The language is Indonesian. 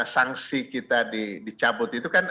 sanksi kita dicabut itu kan